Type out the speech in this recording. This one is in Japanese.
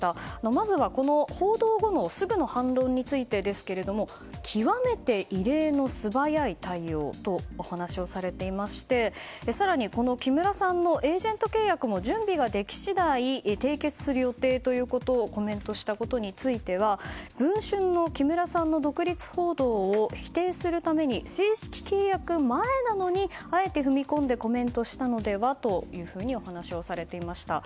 まずこの報道後のすぐの反論についてですが極めて異例の素早い対応とお話をされていまして更に木村さんのエージェント契約を締結する予定ということをコメントしたことについては「文春」の木村さんの独立報道を否定するために正式契約前なのにあえて踏み込んでコメントしたのではとお話をされていました。